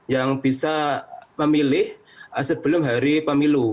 yang bisa memilih sebelum hari pemilu